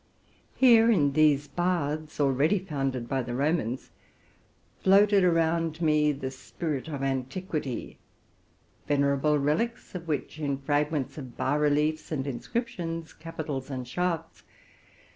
Here in these baths, already founded by the Romans, floated around me the spirit of antiquity, venerable relics of which, in fragments of bas reliefsand inscriptions, capitals and shafts.